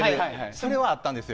それはあったんです。